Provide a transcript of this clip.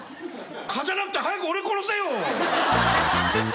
蚊じゃなくて早く俺殺せよ。